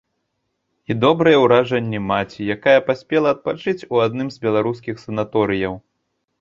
І добрыя ўражанні маці, якая паспела адпачыць у адным з беларускіх санаторыяў.